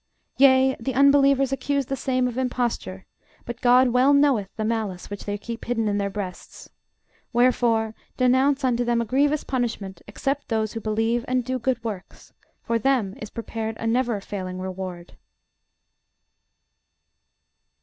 Yea: the unbelievers accuse the same of imposture: but GOD well knoweth the malice which they keep hidden in their breasts. Wherefore denounce unto them a grievous punishment, except those who believe and do good works: for them is prepared a never failing reward.